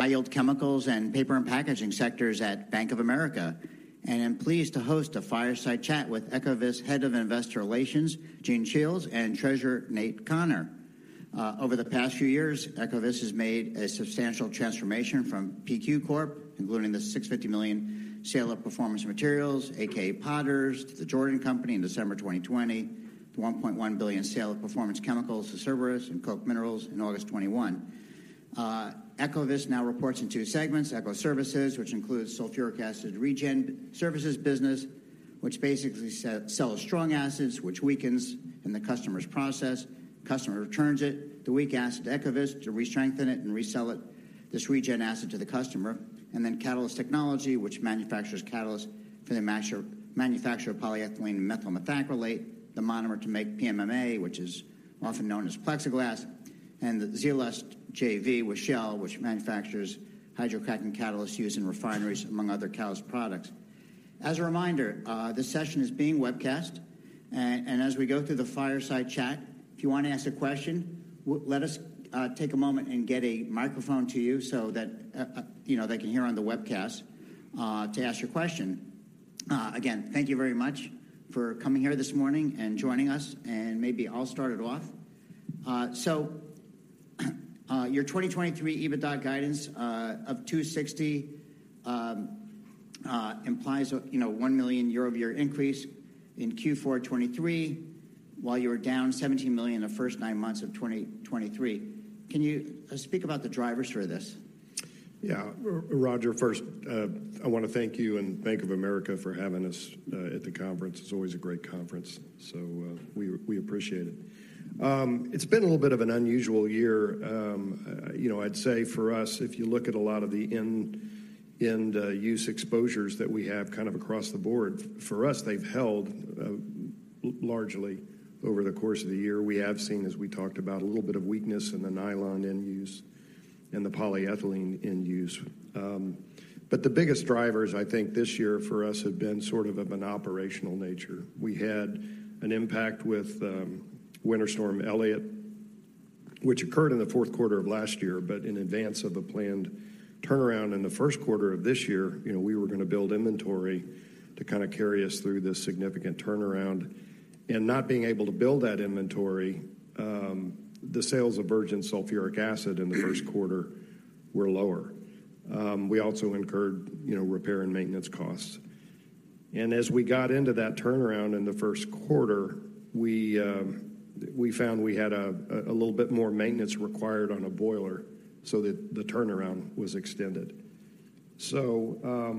High-yield Chemicals and Paper and Packaging sectors at Bank of America, and I'm pleased to host a fireside chat with Ecovyst Head of Investor Relations, Gene Shiels, and Treasurer, Nate Connor. Over the past few years, Ecovyst has made a substantial transformation from PQ Corp, including the $650 million sale of Performance Materials, aka Potters, to the Jordan Company in December 2020, the $1.1 billion sale of Performance Chemicals to Cerberus and Koch Minerals in August 2021. Ecovyst now reports in two segments: Ecoservices, which includes sulfuric acid regen services business, which basically sells strong acids, which weakens in the customer's process. Customer returns it, the weak acid, to Ecovyst to restrengthen it and resell it, this regen acid to the customer. Then Catalyst Technology which manufactures catalysts for the manufacture of polyethylene and methyl methacrylate, the monomer to make PMMA, which is often known as plexiglass, and the Zeolyst JV with Shell, which manufactures hydrocracking catalysts used in refineries among other catalyst products. As a reminder, this session is being webcast, and as we go through the fireside chat, if you want to ask a question, let us take a moment and get a microphone to you so that you know, they can hear on the webcast to ask your question. Again, thank you very much for coming here this morning and joining us, and maybe I'll start it off. Your 2023 EBITDA guidance of $260 million implies a, you know, $1 million year-over-year increase in Q4 2023, while you were down $17 million in the first nine months of 2023. Can you speak about the drivers for this? Yeah, Roger. First, I want to thank you and Bank of America for having us at the conference. It's always a great conference, so we appreciate it. It's been a little bit of an unusual year. You know, I'd say for us, if you look at a lot of the end use exposures that we have kind of across the board. For us, they've held largely over the course of the year. We have seen, as we talked about a little bit of weakness in the nylon end use and the polyethylene end use. But the biggest drivers, I think, this year for us have been sort of of an operational nature. We had an impact with Winter Storm Elliott, which occurred in the fourth quarter of last year, but in advance of a planned turnaround in the first quarter of this year, you know, we were going to build inventory to kind of carry us through this significant turnaround. And not being able to build that inventory, the sales of virgin sulfuric acid in the first quarter were lower. We also incurred, you know, repair and maintenance costs. And as we got into that turnaround in the first quarter, we found we had a little bit more maintenance required on a boiler so that the turnaround was extended. So,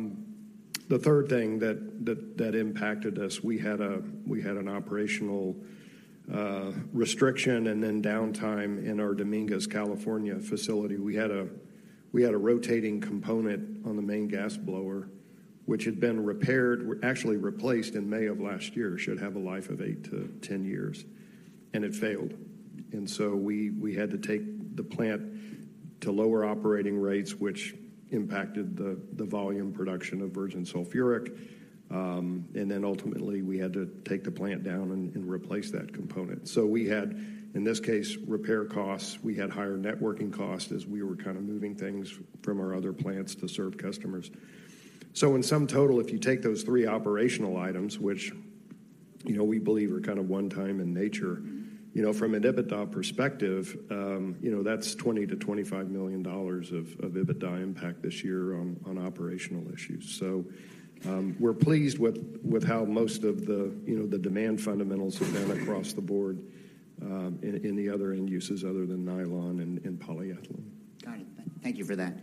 the third thing that impacted us, we had an operational restriction and then downtime in our Dominguez, California facility. We had a rotating component on the main gas blower, which had been repaired, actually replaced in May of last year, should have a life of eight to 10 years and it failed. So we had to take the plant to lower operating rates which impacted the volume production of virgin sulfuric. Then ultimately, we had to take the plant down and replace that component. So we had, in this case, repair costs. We had higher networking costs as we were kind of moving things from our other plants to serve customers. So in sum total, if you take those three operational items, which, you know, we believe are kind of one-time in nature, you know, from an EBITDA perspective, you know, that's $20 million-$25 million of EBITDA impact this year on operational issues. We're pleased with how most of the, you know, the demand fundamentals have been across the board, in the other end uses other than nylon and polyethylene. Got it. Thank you for that.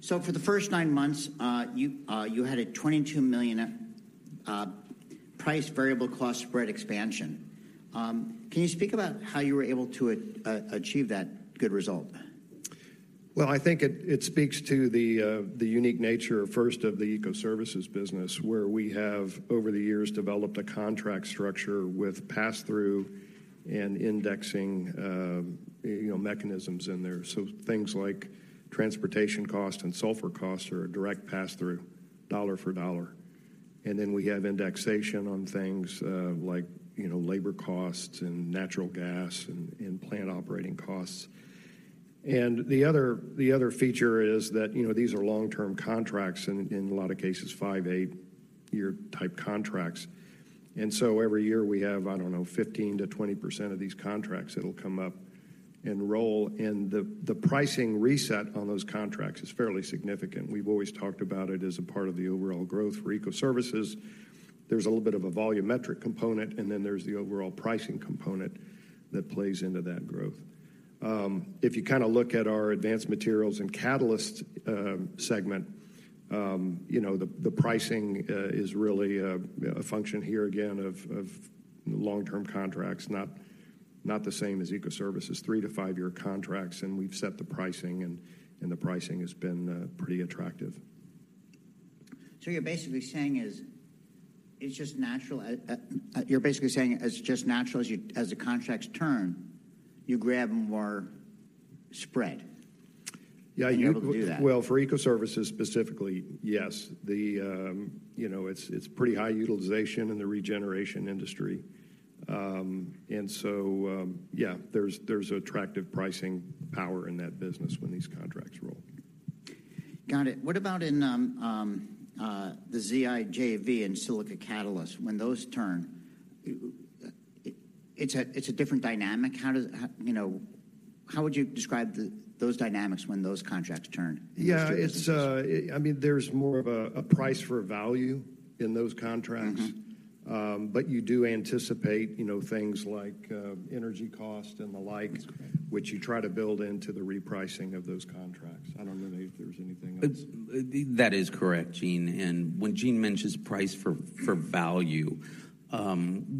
So for the first nine months, you had a $22 million price variable cost spread expansion. Can you speak about how you were able to achieve that good result? Well, I think it speaks to the unique nature, first, of the Ecoservices business, where we have over the years developed a contract structure with pass-through and indexing, you know, mechanisms in there. So things like transportation cost and sulfur costs are a direct pass-through, dollar for dollar. And then we have indexation on things, like, you know, labor costs and natural gas and plant operating costs. And the other feature is that, you know, these are long-term contracts and in a lot of cases, five-eight-year type contracts. And so every year we have, I don't know, 15%-20% of these contracts that'll come up and roll, and the pricing reset on those contracts is fairly significant. We've always talked about it as a part of the overall growth for Ecoservices. There's a little bit of a volumetric component, and then there's the overall pricing component that plays into that growth. If you kind of look at our Advanced Materials & Catalysts segment, you know, the pricing is really a function here again of long-term contracts, not the same as Ecoservices, three to five-year contracts. We've set the pricing and the pricing has been pretty attractive. So you're basically saying it's just natural as the contracts turn, you grab more spread? Yeah, you- You're able to do that. Well, for Ecoservices specifically, yes. You know, it's pretty high utilization in the regeneration industry. And so, yeah, there's attractive pricing power in that business when these contracts roll. Got it. What about in the ZI JV and silica catalyst, when those turn, it's a different dynamic? How does, you know, how would you describe those dynamics when those contracts turn? Yeah, it's, I mean, there's more of a price for value in those contracts. Mm-hmm. But you do anticipate, you know, things like energy cost and the like- Okay.... which you try to build into the repricing of those contracts. I don't know, Nate, if there's anything else. It's, that is correct, Gene. And when Gene mentions price for value,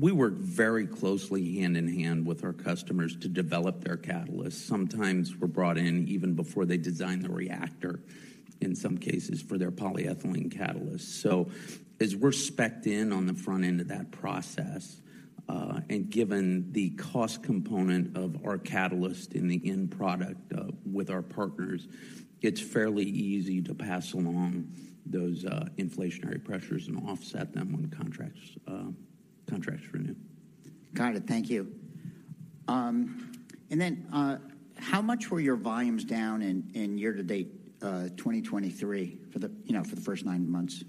we work very closely hand in hand with our customers to develop their catalysts. Sometimes we're brought in even before they design the reactor, in some cases, for their polyethylene catalysts. So as we're specced in on the front end of that process, and given the cost component of our catalyst in the end product with our partners, it's fairly easy to pass along those inflationary pressures and offset them when contracts renew. Got it. Thank you. And then, how much were your volumes down in year-to-date 2023 for the, you know, for the first nine months?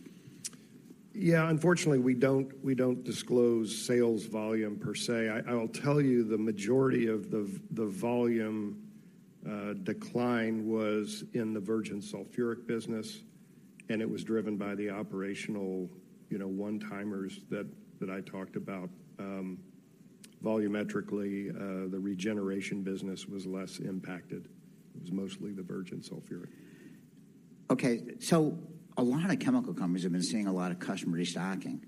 Yeah, unfortunately, we don't, we don't disclose sales volume per se. I will tell you, the majority of the volume decline was in the virgin sulfuric business. And it was driven by the operational, you know, one-timers that I talked about. Volumetrically, the regeneration business was less impacted. It was mostly the virgin sulfuric. Okay, so a lot of chemical companies have been seeing a lot of customer restocking.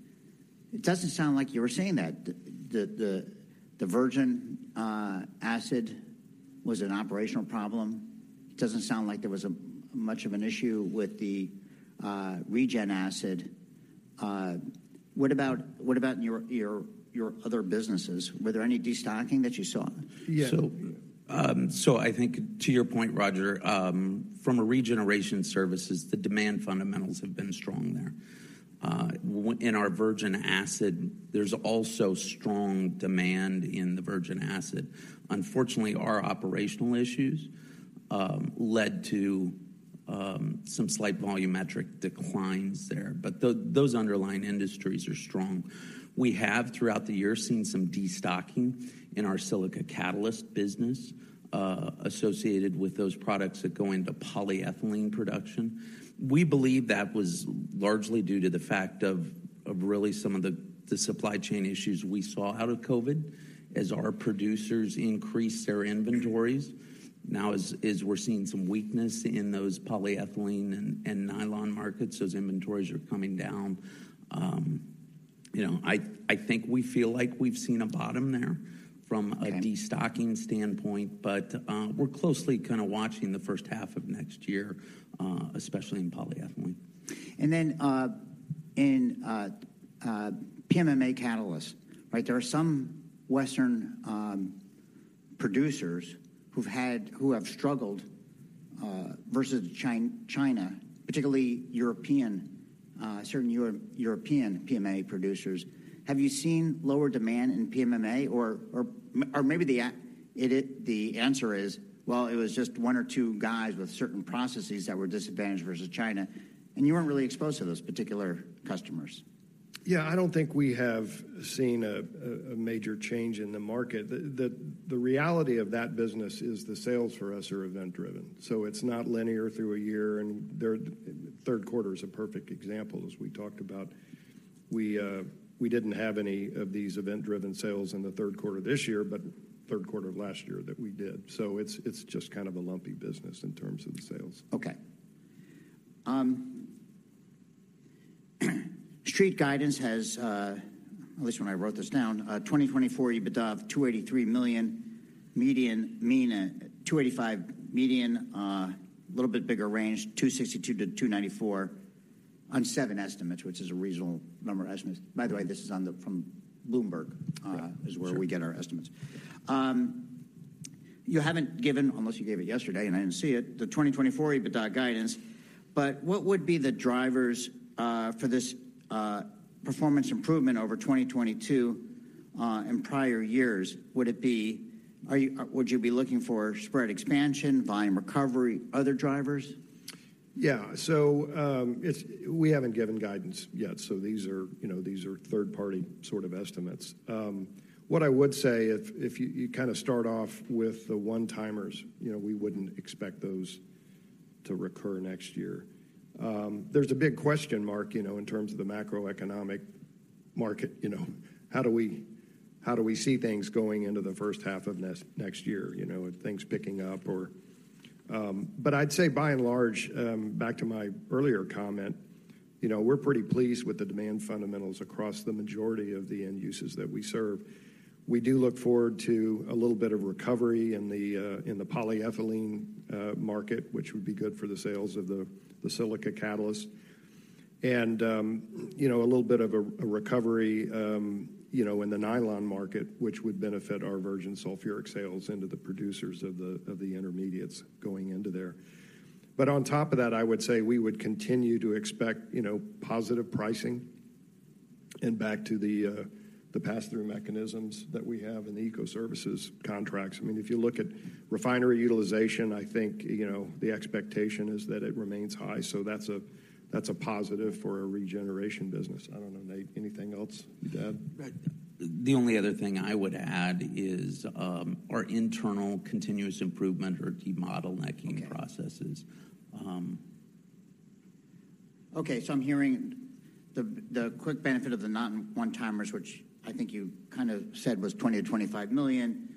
It doesn't sound like you were saying that. The virgin acid was an operational problem. It doesn't sound like there was much of an issue with the regen acid. What about your other businesses? Were there any destocking that you saw? Yeah. So, so I think to your point, Roger, from a regeneration services, the demand fundamentals have been strong there. In our virgin acid, there's also strong demand in the virgin acid. Unfortunately, our operational issues led to some slight volumetric declines there, but those underlying industries are strong. We have, throughout the year, seen some destocking in our silica catalyst business associated with those products that go into polyethylene production. We believe that was largely due to the fact of really some of the supply chain issues we saw out of COVID, as our producers increased their inventories. Now, as we're seeing some weakness in those polyethylene and nylon markets, those inventories are coming down. You know, I think we feel like we've seen a bottom there- Okay.... from a destocking standpoint. But, we're closely kind of watching the first half of next year, especially in polyethylene. And then, in PMMA catalysts, right? There are some Western producers who've had, who have struggled versus China, particularly European, certain European PMMA producers. Have you seen lower demand in PMMA? Or maybe the answer is: Well, it was just one or two guys with certain processes that were disadvantaged versus China, and you weren't really exposed to those particular customers. Yeah, I don't think we have seen a major change in the market. The reality of that business is the sales for us are event-driven. So it's not linear through a year, and third quarter is a perfect example, as we talked about. We didn't have any of these event-driven sales in the third quarter this year, but third quarter of last year that we did. So it's just kind of a lumpy business in terms of the sales. Okay. Street guidance has, at least when I wrote this down, 2024 EBITDA of $283 million, median, mean, $285 million median, a little bit bigger range, $262 million-$294 million on seven estimates, which is a reasonable number of estimates. By the way, this is on the, from Bloomberg- Yeah.... is where- Sure.... we get our estimates. You haven't given, unless you gave it yesterday and I didn't see it, the 2024 EBITDA guidance. But what would be the drivers for this performance improvement over 2022 and prior years? Would you be looking for spread expansion, volume recovery, other drivers? Yeah. So, we haven't given guidance yet. So these are, you know, these are third-party sort of estimates. What I would say if you kind of start off with the one-timers, you know, we wouldn't expect those to recur next year. There's a big question mark, you know, in terms of the macroeconomic market. You know, how do we see things going into the first half of next year? You know, are things picking up or... But I'd say by and large, back to my earlier comment, you know, we're pretty pleased with the demand fundamentals across the majority of the end uses that we serve. We do look forward to a little bit of recovery in the polyethylene market, which would be good for the sales of the silica catalyst. You know, a little bit of a recovery, you know, in the nylon market, which would benefit our virgin sulfuric sales into the producers of the intermediates going into there. But on top of that, I would say we would continue to expect, you know, positive pricing and back to the pass-through mechanisms that we have in the Ecoservices contracts. I mean, if you look at refinery utilization, I think, you know, the expectation is that it remains high. So that's a positive for our regeneration business. I don't know, Nate, anything else to add? Right. The only other thing I would add is our internal continuous improvement or debottlenecking- Okay. -processes. Um. Okay, so I'm hearing the quick benefit of the non-one timers, which I think you kind of said was $20 million-$25 million.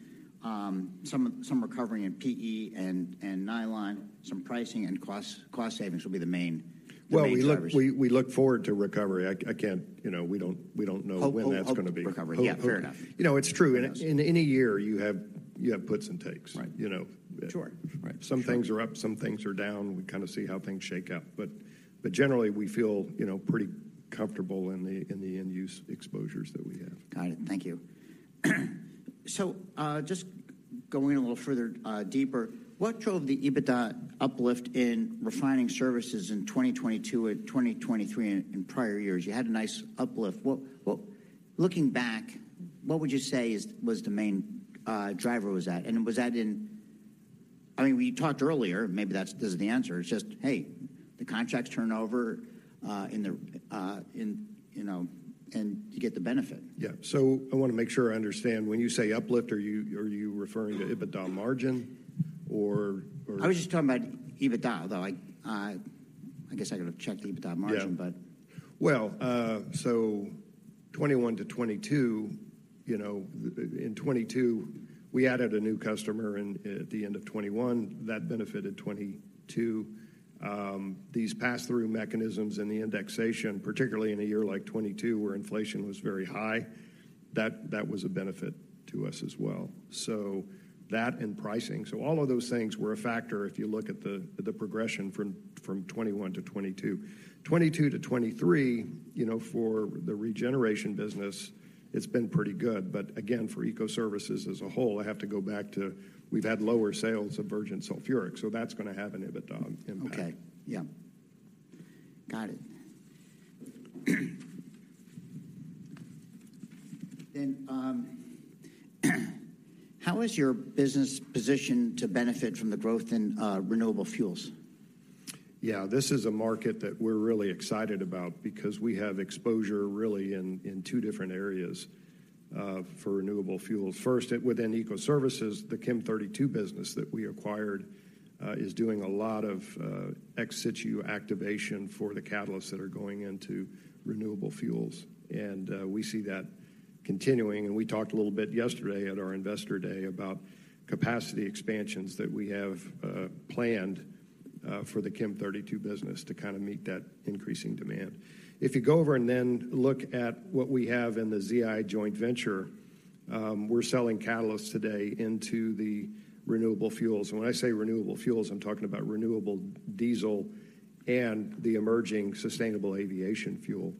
Some recovery in PE and nylon, some pricing and cost savings will be the main drivers. Well, we look forward to recovery. I can't... You know, we don't know when that's gonna be. Hope, hope, recovery. Hope. Yeah, fair enough. You know, it's true. Yes. In any year, you have puts and takes. Right. You know? Sure. Right. Some things are up, some things are down. We kind of see how things shake out. But generally, we feel, you know, pretty comfortable in the end use exposures that we have. Got it. Thank you. So, just going a little further deeper, what drove the EBITDA uplift in refining services in 2022 and 2023 and in prior years? You had a nice uplift. What-- Looking back, what would you say is, was the main driver was that? And was that in... I mean, we talked earlier, maybe that's, this is the answer. It's just, "Hey, the contracts turn over, in the, in, you know, and you get the benefit. Yeah. So I wanna make sure I understand. When you say uplift, are you, are you referring to EBITDA margin or, or- I was just talking about EBITDA, though I, I guess I could have checked the EBITDA margin- Yeah. -but. Well. So 2021-2022, you know. In 2022, we added a new customer. At the end of 2021, that benefited 2022. These pass-through mechanisms and the indexation, particularly in a year like 2022 where inflation was very high, that was a benefit to us as well. So that and pricing. So all of those things were a factor if you look at the progression from 2021-2022. 2022-2023, you know, for the regeneration business, it's been pretty good. But again, for Ecoservices as a whole, I have to go back to we've had lower sales of virgin sulfuric, so that's gonna have an EBITDA impact. Okay. Yeah. Got it. Then, how is your business positioned to benefit from the growth in renewable fuels? Yeah, this is a market that we're really excited about because we have exposure really in two different areas for renewable fuels. First, within Ecoservices. The Chem32 business that we acquired is doing a lot of ex situ activation for the catalysts that are going into renewable fuels. And we see that continuing. And we talked a little bit yesterday at our Investor Day about capacity expansions that we have planned for the Chem32 business to kind of meet that increasing demand. If you go over and then look at what we have in the ZI Joint Venture, we're selling catalysts today into the renewable fuels. When I say renewable fuels, I'm talking about renewable diesel and the emerging sustainable aviation fuel.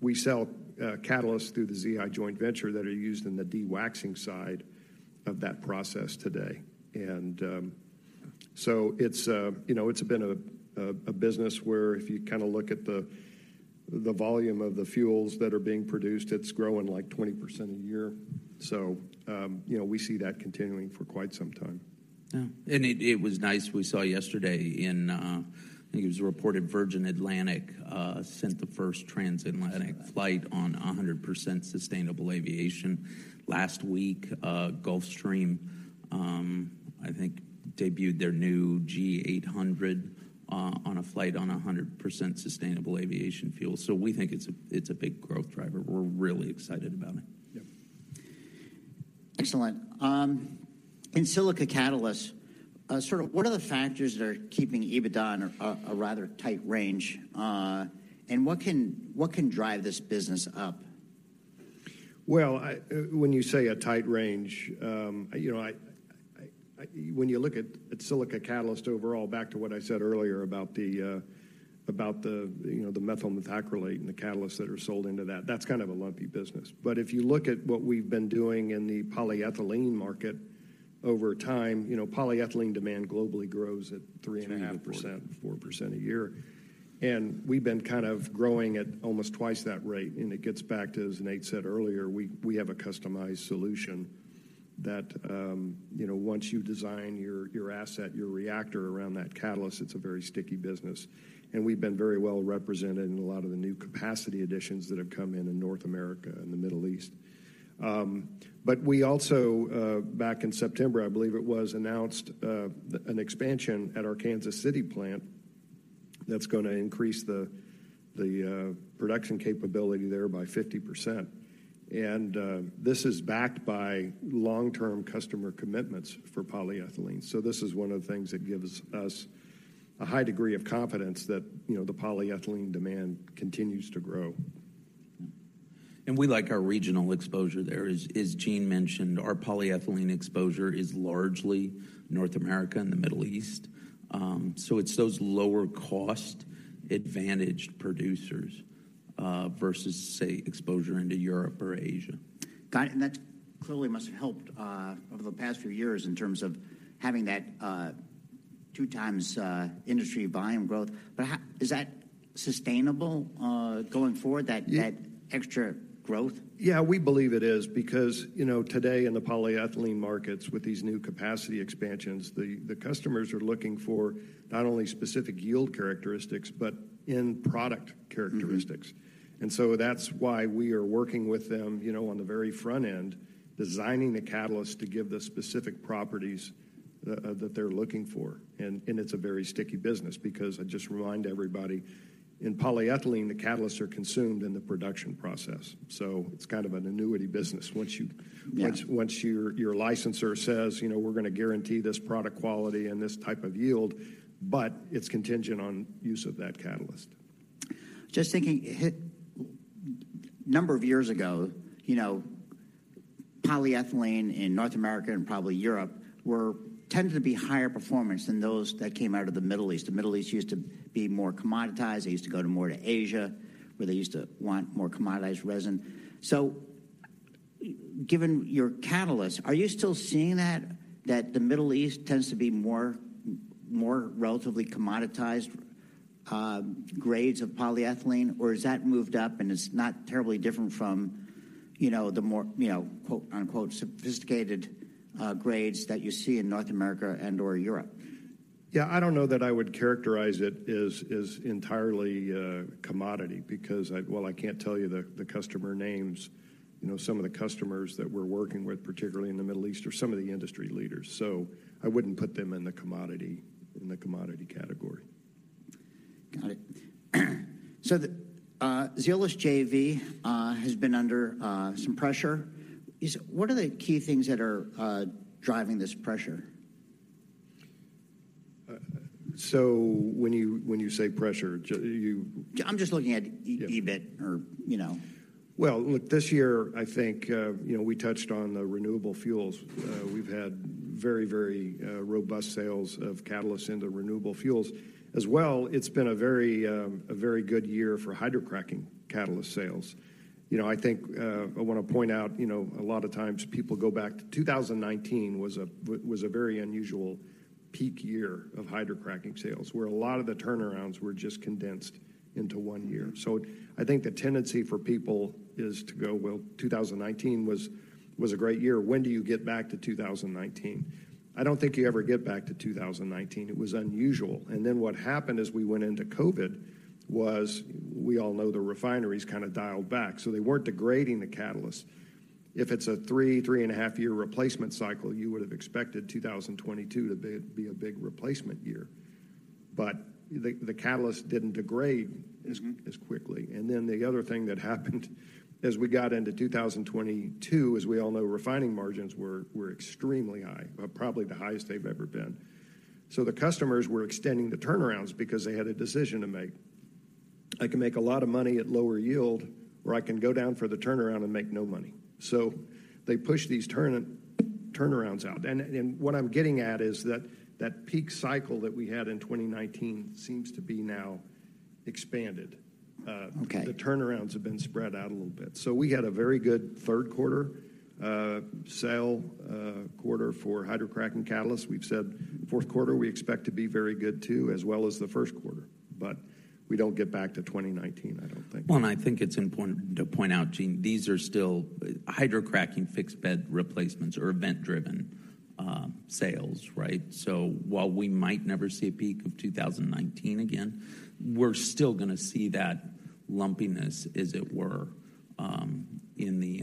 We sell catalysts through the ZI Joint Venture that are used in the dewaxing side of that process today. So it's, you know, it's been a business where if you kinda look at the volume of the fuels that are being produced. It's growing, like, 20% a year. So, you know, we see that continuing for quite some time. Yeah. It was nice, we saw yesterday in, I think it was reported Virgin Atlantic sent the first transatlantic- Right. -flight on 100% sustainable aviation. Last week, Gulfstream, I think debuted their new G800 on a flight on 100% sustainable aviation fuel. So we think it's a big growth driver. We're really excited about it. Yeah. Excellent. In silica catalyst, sort of, what are the factors that are keeping EBITDA on a rather tight range? And what can drive this business up? Well, when you say a tight range, you know, when you look at silica catalyst overall back to what I said earlier about the you know the methyl methacrylate and the catalysts that are sold into that, that's kind of a lumpy business. But if you look at what we've been doing in the polyethylene market, over time, you know, polyethylene demand globally grows at 3.5%. 3%-4%-... 4% a year, and we've been kind of growing at almost 2x that rate. And it gets back to, as Nate said earlier, we have a customized solution that, you know, once you design your, your asset, your reactor around that catalyst, it's a very sticky business. And we've been very well represented in a lot of the new capacity additions that have come in in North America and the Middle East. But we also back in September, I believe it was announced an expansion at our Kansas City plant that's gonna increase the production capability there by 50%. And this is backed by long-term customer commitments for polyethylene. So this is one of the things that gives us a high degree of confidence that, you know, the polyethylene demand continues to grow. We like our regional exposure there. As Gene mentioned, our polyethylene exposure is largely North America and the Middle East. So it's those lower cost advantaged producers versus, say, exposure into Europe or Asia. Got it, and that clearly must have helped over the past few years in terms of having that 2x industry volume growth. But how is that sustainable going forward, that- Yeah. -that extra growth? Yeah, we believe it is. Bbecause, you know, today in the polyethylene markets, with these new capacity expansions, the customers are looking for not only specific yield characteristics but end product characteristics. Mm-hmm. And so that's why we are working with them, you know, on the very front end, designing the catalyst to give the specific properties that, that they're looking for. And it's a very sticky business because I just remind everybody, in polyethylene, the catalysts are consumed in the production process, so it's kind of an annuity business. Once you- Yeah. Once your licensor says, "You know, we're going to guarantee this product quality and this type of yield, but it's contingent on use of that catalyst. Just thinking, it hit a number of years ago, you know, polyethylene in North America and probably Europe were tended to be higher performance than those that came out of the Middle East. The Middle East used to be more commoditized. They used to go to more to Asia, where they used to want more commoditized resin. So given your catalysts, are you still seeing that, that the Middle East tends to be more, more relatively commoditized grades of polyethylene? Or has that moved up, and it's not terribly different from, you know, the more, you know, quote-unquote, "sophisticated" grades that you see in North America and/or Europe? Yeah, I don't know that I would characterize it as entirely commodity because while I can't tell you the customer names, you know, some of the customers that we're working with, particularly in the Middle East, are some of the industry leaders. So I wouldn't put them in the commodity category. Got it. So the Zeolyst JV has been under some pressure. What are the key things that are driving this pressure? So when you say pressure, you- I'm just looking at- Yeah.... EBIT or, you know. Well, look, this year, I think, you know, we touched on the renewable fuels. We've had very, very robust sales of catalysts into renewable fuels. As well, it's been a very, a very good year for hydrocracking catalyst sales. You know, I think, I want to point out, you know, a lot of times people go back to 2019 was a very unusual peak year of hydrocracking sales, where a lot of the turnarounds were just condensed into one year. So I think the tendency for people is to go, "Well, 2019 was a great year. When do you get back to 2019?" I don't think you ever get back to 2019. It was unusual. And then what happened as we went into COVID was, we all know the refineries kind of dialed back, so they weren't degrading the catalysts. If it's a three, 3.5-year replacement cycle, you would have expected 2022 to be a big replacement year. But the catalyst didn't degrade as- Mm-hmm... as quickly. Then the other thing that happened as we got into 2022, as we all know, refining margins were extremely high, probably the highest they've ever been. So the customers were extending the turnarounds because they had a decision to make. "I can make a lot of money at lower yield, or I can go down for the turnaround and make no money." So they pushed these turnarounds out, and what I'm getting at is that peak cycle that we had in 2019 seems to be now expanded. Okay. The turnarounds have been spread out a little bit. So we had a very good third quarter, sale quarter for hydrocracking catalysts. We've said fourth quarter, we expect to be very good, too, as well as the first quarter. But we don't get back to 2019, I don't think. Well, and I think it's important to point out, Gene, these are still, hydrocracking fixed bed replacements or event-driven sales, right? So while we might never see a peak of 2019 again, we're still gonna see that lumpiness, as it were, in the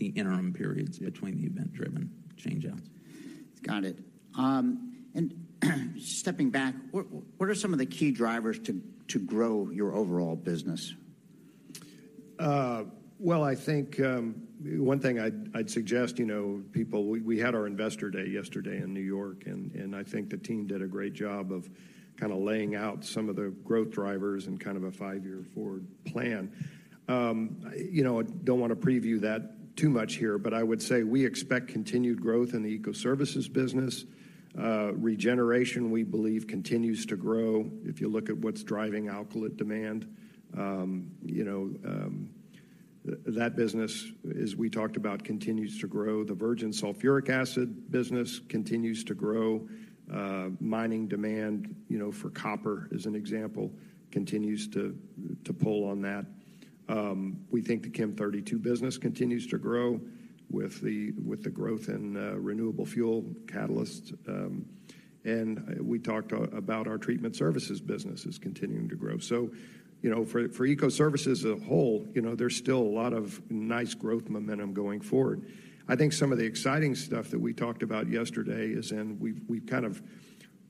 interim periods between the event-driven change-outs. Got it. And stepping back, what are some of the key drivers to grow your overall business? Well, I think one thing I'd suggest, you know, people... We had our Investor Day yesterday in New York, and I think the team did a great job of kind of laying out some of the growth drivers and kind of a five-year forward plan. You know, I don't want to preview that too much here, but I would say we expect continued growth in the Ecoservices business. Regeneration, we believe, continues to grow. If you look at what's driving alkylate demand, you know, that business, as we talked about, continues to grow. The virgin sulfuric acid business continues to grow. Mining demand, you know, for copper, as an example, continues to pull on that. We think the Chem32 business continues to grow with the growth in renewable fuel catalysts. And we talked about our treatment services business is continuing to grow. So, you know, for Ecoservices as a whole, you know, there's still a lot of nice growth momentum going forward. I think some of the exciting stuff that we talked about yesterday is we've kind of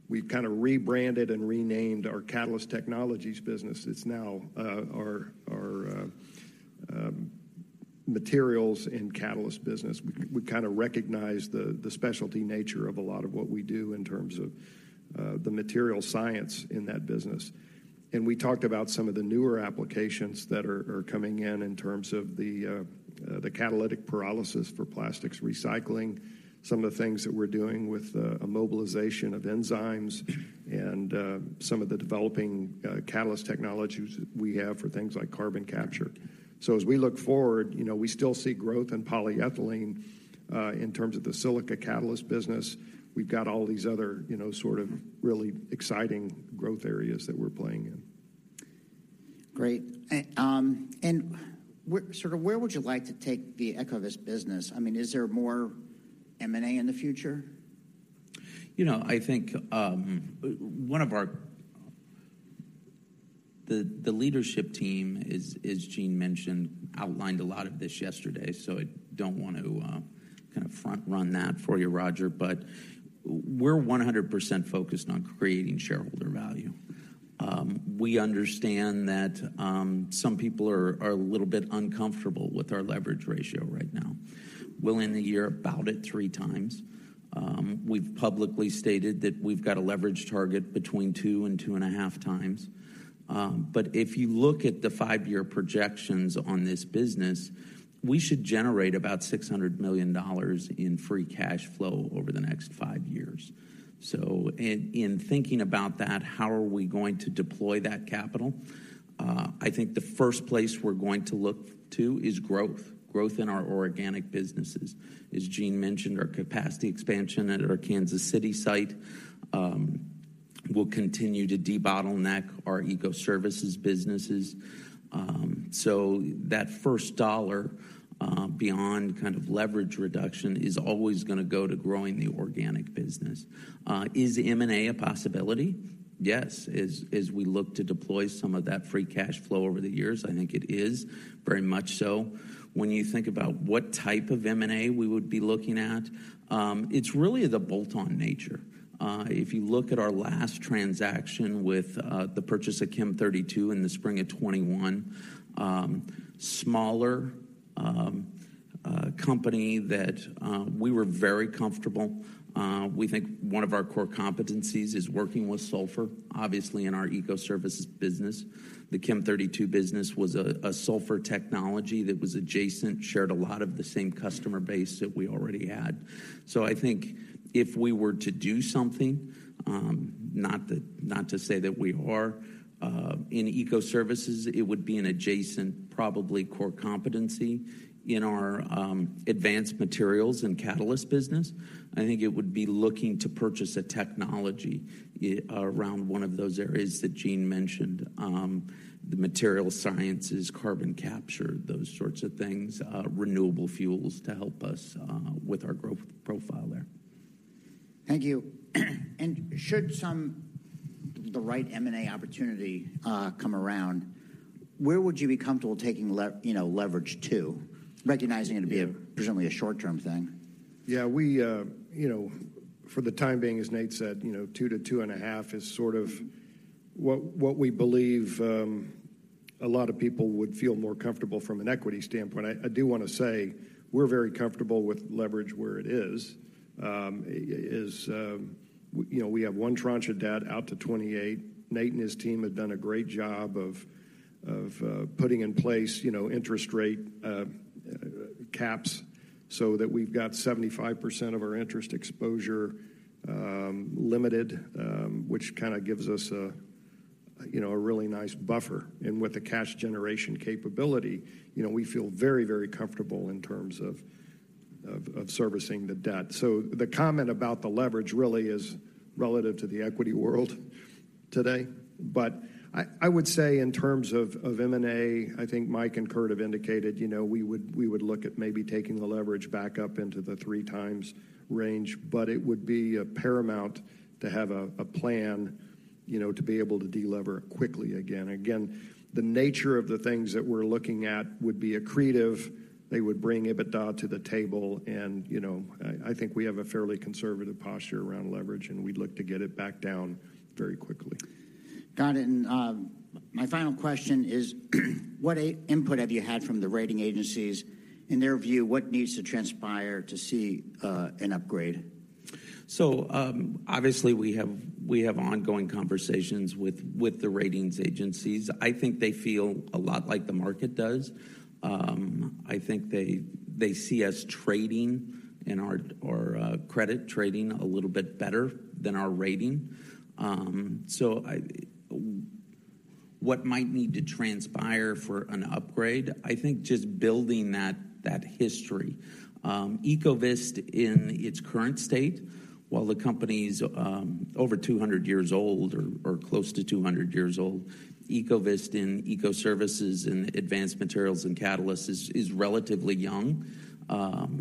rebranded and renamed our Catalyst Technologies business. It's now our Materials & Catalysts business. We kind of recognize the specialty nature of a lot of what we do in terms of the material science in that business. We talked about some of the newer applications that are coming in, in terms of the catalytic pyrolysis for plastics recycling. Some of the things that we're doing with immobilization of enzymes. And some of the developing catalyst technologies we have for things like carbon capture. So as we look forward, you know, we still see growth in polyethylene. In terms of the silica catalyst business, we've got all these other, you know, sort of really exciting growth areas that we're playing in. Great. And sort of where would you like to take the Ecovyst business? I mean, is there more M&A in the future? You know, I think, one of our – the leadership team is, as Gene mentioned, outlined a lot of this yesterday. So I don't want to kind of front run that for you, Roger. But we're 100% focused on creating shareholder value. We understand that, some people are a little bit uncomfortable with our leverage ratio right now. We'll end the year about at 3x. We've publicly stated that we've got a leverage target between 2x and 2.5x. But if you look at the five-year projections on this business, we should generate about $600 million in free cash flow over the next five years. So in thinking about that, how are we going to deploy that capital? I think the first place we're going to look to is growth, growth in our organic businesses. As Gene mentioned, our capacity expansion at our Kansas City site will continue to debottleneck our Ecoservices businesses. So that first dollar beyond kind of leverage reduction is always gonna go to growing the organic business. Is M&A a possibility? Yes. As we look to deploy some of that free cash flow over the years, I think it is very much so. When you think about what type of M&A we would be looking at, it's really the bolt-on nature. If you look at our last transaction with the purchase of Chem32 in the spring of 2021, smaller company that we were very comfortable. We think one of our core competencies is working with sulfur, obviously in our Ecoservices business. The Chem32 business was a sulfur technology that was adjacent, shared a lot of the same customer base that we already had. So I think if we were to do something, not that, not to say that we are, in Ecoservices, it would be an adjacent, probably core competency. In our Advanced Materials & Catalysts, I think it would be looking to purchase a technology around one of those areas that Gene mentioned. The material sciences, carbon capture, those sorts of things, renewable fuels, to help us with our growth profile there. Thank you. And should the right M&A opportunity come around, where would you be comfortable taking, you know, leverage to, recognizing it'd be a presumably a short-term thing? Yeah, we, you know, for the time being as Nate said, you know, 2x-2.5x is sort of what we believe a lot of people would feel more comfortable from an equity standpoint. I do wanna say, we're very comfortable with leverage where it is. As you know, we have one tranche of debt out to 28. Nate and his team have done a great job of putting in place, you know, interest rate caps, so that we've got 75% of our interest exposure limited, which kind of gives us a, you know, a really nice buffer. And with the cash generation capability, you know, we feel very, very comfortable in terms of servicing the debt. So the comment about the leverage really is relative to the equity world today. But I, I would say in terms of, of M&A, I think Mike and Kurt have indicated, you know, we would, we would look at maybe taking the leverage back up into the 3x range. But it would be paramount to have a, a plan, you know, to be able to delever quickly again. Again, the nature of the things that we're looking at would be accretive. They would bring EBITDA to the table, and, you know, I, I think we have a fairly conservative posture around leverage, and we'd look to get it back down very quickly. Got it. And, my final question is, what input have you had from the rating agencies? In their view, what needs to transpire to see an upgrade? So, obviously we have ongoing conversations with the ratings agencies. I think they feel a lot like the market does. I think they see us trading and our credit trading a little bit better than our rating. So, what might need to transpire for an upgrade? I think just building that history. Ecovyst in its current state, while the company's over 200 years old or close to 200 years old, Ecovyst in Ecoservices and Advanced Materials & Catalysts is relatively young,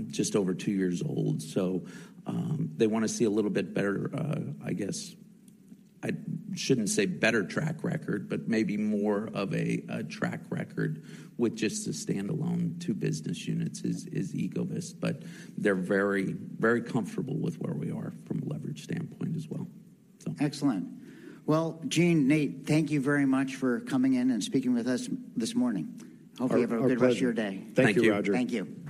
just over two years old. So, they wanna see a little bit better, I guess, I shouldn't say better track record, but maybe more of a track record with just the standalone two business units is Ecovyst. But they're very, very comfortable with where we are from a leverage standpoint as well, so. Excellent. Well, Gene, Nate, thank you very much for coming in and speaking with us this morning. Our pleasure. Hope you have a good rest of your day. Thank you, Roger. Thank you. Thank you.